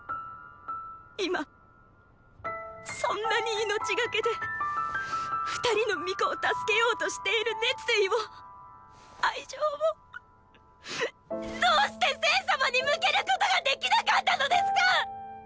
今そんなに命懸けで二人の御子を助けようとしている熱意を愛情をっどうして政様に向けることが出来なかったのですか！！